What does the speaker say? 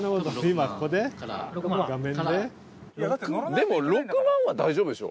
でも６万は大丈夫でしょ？